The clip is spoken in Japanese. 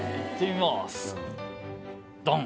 ドン！